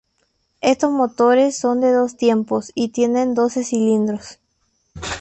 Estos motores son de dos tiempos y tienen doce cilindros.